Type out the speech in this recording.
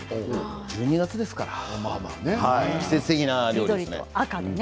１２月ですから季節的な料理でね。